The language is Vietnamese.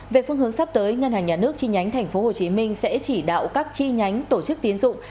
về phương hướng sắp tới ngân hàng nhà nước chi nhánh tp hcm sẽ chỉ đạo các chi nhánh tổ chức tiến dụng